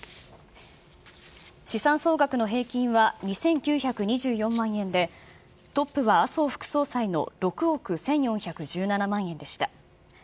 資産総額の平均は２９２４万円で、トップは麻生副総裁の６億１４１７万円でした。